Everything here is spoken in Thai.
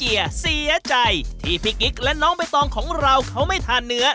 นี่อะฉันรวมตอนนี้ก็รวมแล้วพี่กึ๊ก